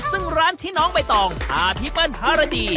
ซึ่งร้านที่น้องใบตองพาพี่เปิ้ลภารดี